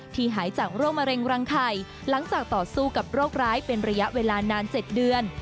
หายจากโรคมะเร็งรังไข่หลังจากต่อสู้กับโรคร้ายเป็นระยะเวลานาน๗เดือน